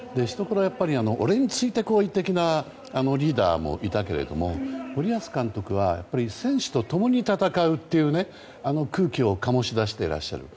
俺についてこい的なリーダーもいたけれども森保監督は選手と共に戦うというあの空気を醸し出していらっしゃる。